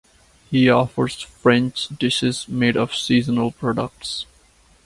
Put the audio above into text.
He offers French dishes made of seasonal products.